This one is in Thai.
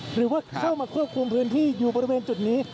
หรือว่าเข้ามาควบคุมพื้นที่อยู่บริเวณจุดนี้